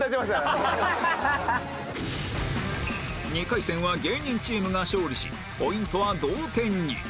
２回戦は芸人チームが勝利しポイントは同点に